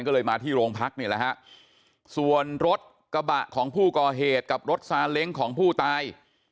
ก็เลยมาที่โรงพักนี่แหละฮะส่วนรถกระบะของผู้ก่อเหตุกับรถซาเล้งของผู้ตาย